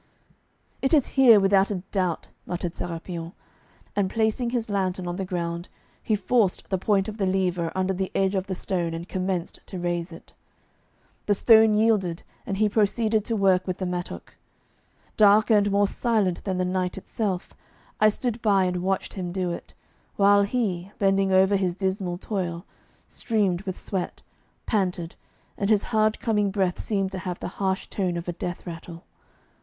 'It is here without a doubt,' muttered Sérapion, and placing his lantern on the ground, he forced the point of the lever under the edge of the stone and commenced to raise it. The stone yielded, and he proceeded to work with the mattock. Darker and more silent than the night itself, I stood by and watched him do it, while he, bending over his dismal toil, streamed with sweat, panted, and his hard coming breath seemed to have the harsh tone of a death rattle.